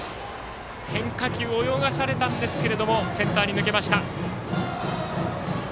変化球、泳がされたんですけどセンターに抜けました。